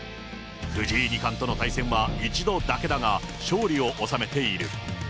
藤井二冠との対戦は一度だけだが、勝利を収めている。